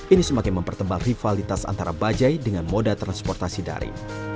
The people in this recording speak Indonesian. ini semakin mempertebak rivalitas antara bajai dengan moda transportasi dari